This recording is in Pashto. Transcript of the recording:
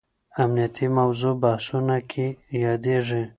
امنیتي موضوع بحثونو کې یادېږي.